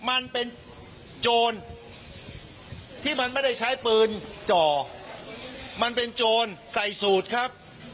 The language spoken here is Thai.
มันเป็นโจรที่มันไม่ได้ใช้ปืนจ่อมันเป็นโจรใส่สูตรครับ